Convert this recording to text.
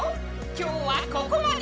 今日はここまで！